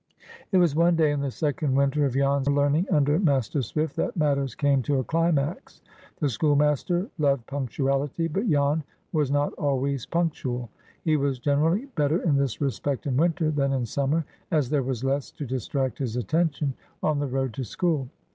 It was one day in the second winter of Jan's learning under Master Swift that matters came to a climax. The schoolmaster loved punctuality, but Jan was not always punctual. He was generally better in this respect in winter than in summer, as there was less to distract his attention on the road to school.